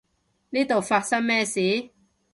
呢度發生咩事？